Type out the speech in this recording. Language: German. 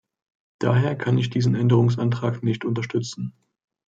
Daher kann ich diesen Änderungsantrag nicht unterstützen.